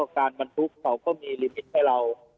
การบรรทุกเขาก็มีลิมิตให้เรา